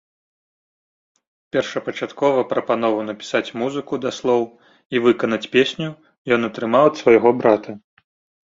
Першапачаткова прапанову напісаць музыку да слоў і выканаць песню ён атрымаў ад свайго брата.